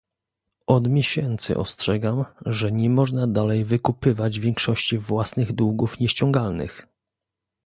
Od miesięcy ostrzegam, że nie można dalej wykupywać większości własnych długów nieściągalnych